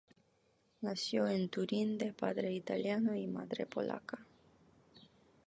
Nació en Turín de padre italiano y madre polaca.